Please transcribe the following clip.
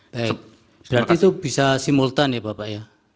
baik berarti itu bisa simultan ya bapak ya